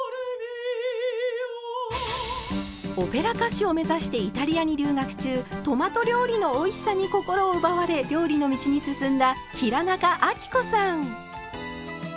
オペラ歌手を目指してイタリアに留学中トマト料理のおいしさに心を奪われ料理の道に進んだ平仲亜貴子さん。